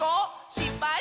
しっぱい？